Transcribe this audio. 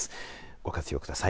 ご活用ください。